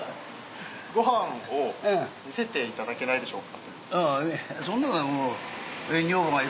ご飯を見せていただけないでしょうか？